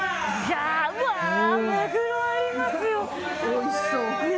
おいしそう。